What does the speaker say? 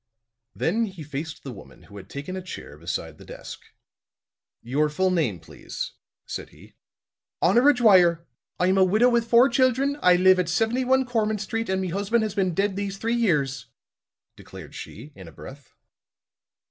Then he faced the woman who had taken a chair beside the desk. "Your full name, please," said he. "Honora Dwyer. I'm a widow with four children; I live at 71 Cormant Street, an' me husban' has been dead these three years," declared she, in a breath.